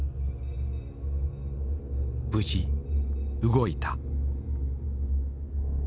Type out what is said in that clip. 無事動いた。